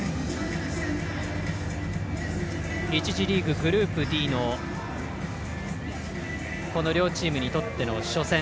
１次リーグ、グループＤのこの両チームにとっての初戦。